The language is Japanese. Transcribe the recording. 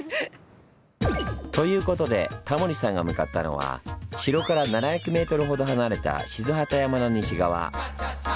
ということでタモリさんが向かったのは城から７００ｍほど離れた賤機山の西側。